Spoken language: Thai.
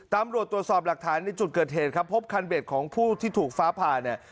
ตำรวจตรวจสอบหลักฐานในจุดเกิดเหตุครับพบคันเด็ดของผู้ที่ถูกฟ้าผ่าเนี่ย